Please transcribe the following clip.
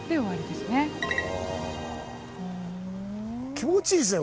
気持ちいいですね